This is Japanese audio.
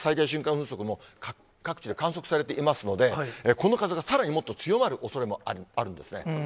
風速も、各地で観測されていますので、この風がさらにもっと強まるおそれもあるんですね。